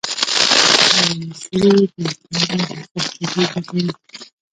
حیواني سرې د خاورې حاصلخېزي زیاتوي.